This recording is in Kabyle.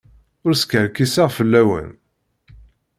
Ur skerkiseɣ fell-awen.